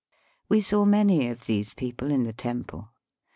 We saw many of these people in the temple.